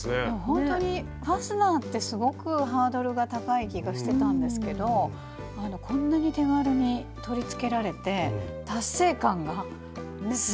ほんとにファスナーってすごくハードルが高い気がしてたんですけどこんなに手軽に取りつけられて達成感がすごいです。